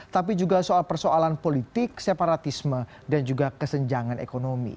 tapi juga soal persoalan politik separatisme dan juga kesenjangan ekonomi